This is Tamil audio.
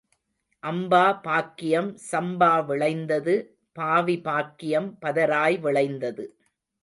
அம்பா பாக்கியம் சம்பா விளைந்தது பாவி பாக்கியம் பதராய் விளைந்தது.